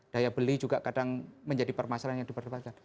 daya beli juga kadang menjadi permasalahan yang diperdebatkan